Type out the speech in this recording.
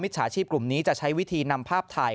ฉาชีพกลุ่มนี้จะใช้วิธีนำภาพถ่าย